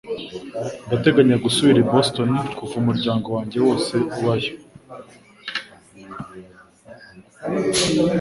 Ndateganya gusubira i Boston kuva umuryango wanjye wose ubayo.